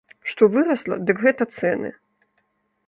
Што вырасла, дык гэта цэны.